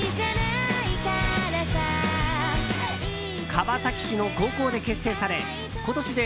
川崎市の高校で結成され今年で